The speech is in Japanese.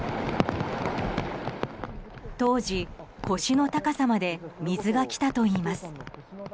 当時、腰の高さまで水が来たといいます。